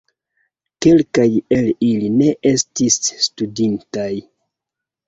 Kelkaj el ili ne estis studitaj.